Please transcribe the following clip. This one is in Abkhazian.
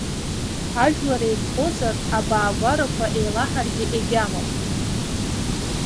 Ажәлар еиқәхозар, абаагәарақәа еилаҳаргьы егьамам.